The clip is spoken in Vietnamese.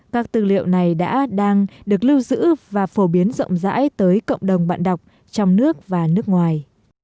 các tư liệu này đã đang được lưu giữ và phổ biến rộng rãi tới cộng đồng bạn đọc trong nước và nước ngoài